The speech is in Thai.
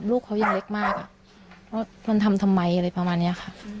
ลูกเขายังเล็กมากอ่ะว่ามันทำทำไมอะไรประมาณนี้ค่ะ